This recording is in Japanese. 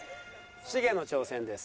しげの挑戦です。